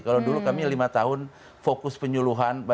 kalau dulu kami lima tahun fokus penyuluhan